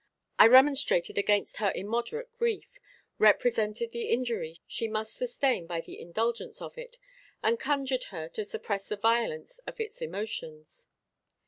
I remonstrated against her immoderate grief, represented the injury she must sustain by the indulgence of it, and conjured her to suppress the violence of its emotions.